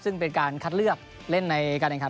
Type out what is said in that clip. ซึ่งเป็นการคัดเลือกเล่นในการแข่งขัน